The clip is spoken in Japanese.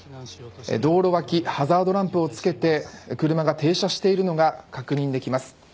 道路脇、ハザードランプをつけて車が停車しているのが確認できます。